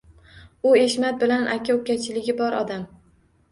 U Eshmat bilan «aka-ukachiligi» bor odam.